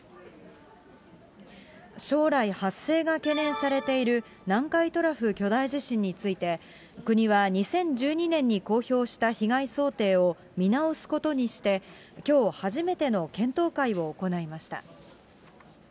将来発生が懸念されている南海トラフ巨大地震について、国は２０１２年に公表した被害想定を見直すことにして、きょう、初めての検討会を行いました。